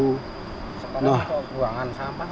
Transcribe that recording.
sekarang buat buangan sampah